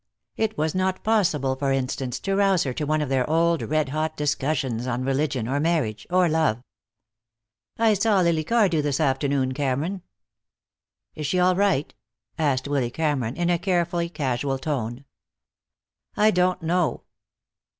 It was not possible, for instance, to rouse her to one of their old red hot discussions on religion, or marriage, or love. "I saw Lily Cardew this afternoon, Cameron." "Is she all right?" asked Willy Cameron, in a carefully casual tone. "I don't know."